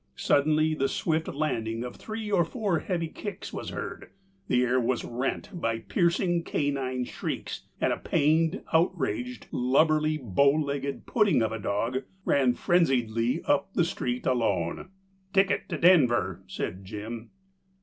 Suddenly the swift landing of three or four heavy kicks was heard, the air was rent by piercing canine shrieks, and a pained, outraged, lubberly, bow legged pudding of a dog ran frenziedly up the street alone. "Ticket to Denver," said Jim.